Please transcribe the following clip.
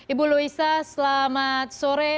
ibu louisa selamat sore